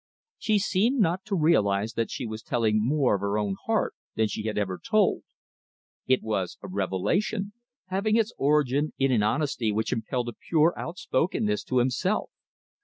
She seemed not to realise that she was telling more of her own heart than she had ever told. It was a revelation, having its origin in an honesty which impelled a pure outspokenness to himself.